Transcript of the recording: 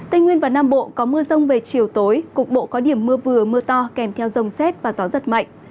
tây nguyên và nam bộ có mưa rông về chiều tối cục bộ có điểm mưa vừa mưa to kèm theo rông xét và gió giật mạnh